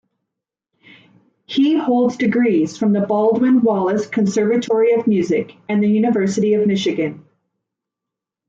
He holds degrees from the Baldwin-Wallace Conservatory of Music and the University of Michigan.